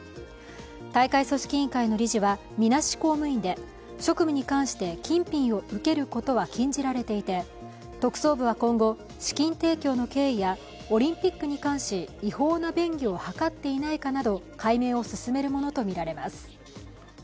大会組織委員会の理事は、みなし公務員で職務に関して、金品を受けることは禁じられていて特捜部は今後、資金提供の経緯やオリンピックに関し違法な便宜を図っていないかなど解明を進めるものとみられます。